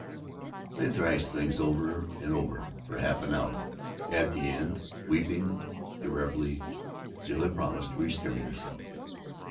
They thrashed things over and over for half an hour. At the end, weeping drably, Zilla promised to restrain herself.